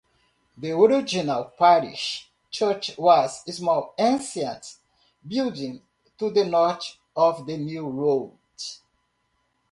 The original parish church was small ancient building to the north of New Road.